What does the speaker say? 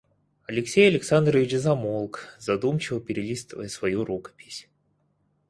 Алексей Александрович замолк, задумчиво перелистывая свою рукопись.